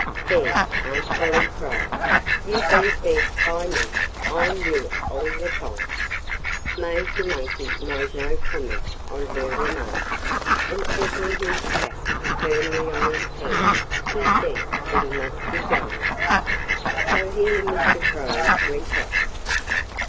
"There!" Aunt Polly cried. "You've been fed by men! I knew it all the time." Major Monkey made no comment on her remark. And settling his cap firmly on his head he said that he must be going. So he and Mr. Crow went off.